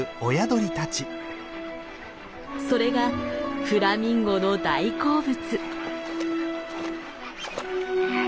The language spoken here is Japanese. それがフラミンゴの大好物。